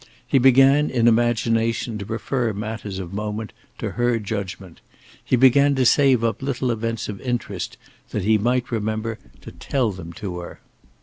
He began in imagination to refer matters of moment to her judgment; he began to save up little events of interest that he might remember to tell them to her.